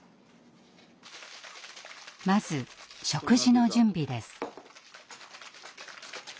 まず食事の準備です。